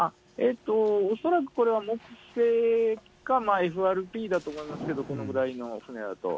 恐らくこれは、木製か、ＦＲＰだと思いますけれども、このくらいの船だと。